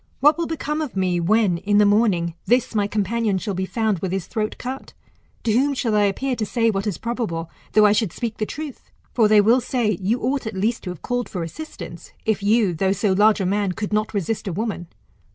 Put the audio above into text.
What will become of me, when, in the morning, this my companion shall be found with his throat cut ? To whom shall I appear to say what is probable, though I should speak the truth ? For they will say, you ought at least to have called for assistance, if you, though so large a man, could not resist a woman.